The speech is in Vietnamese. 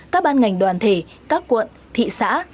các ban ngành đoàn thể các quận thị xã